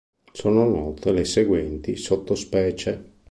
Sono note le seguenti sottospecie